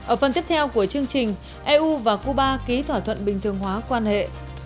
ở phần tiếp theo của chương trình eu và cuba ký thỏa thuận bình thường hóa quan hệ